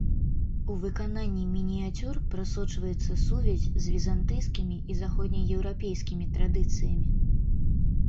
У выкананні мініяцюр прасочваецца сувязь з візантыйскімі і заходнееўрапейскімі традыцыямі.